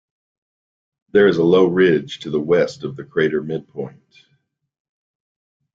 There is a low ridge to the west of the crater midpoint.